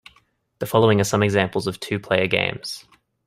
The following are some examples of two-player games.